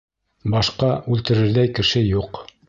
Башҡа үлтерерҙәй кеше юҡ.